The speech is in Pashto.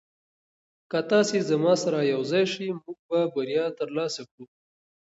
که تاسي زما سره یوځای شئ موږ به بریا ترلاسه کړو.